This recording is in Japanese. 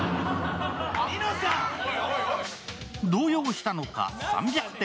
動揺したのか３００点。